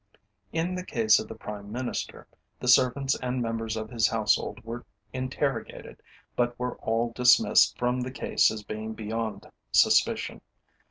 In the case of the Prime Minister, the servants and members of his household were interrogated, but were all dismissed from the case as being beyond suspicion.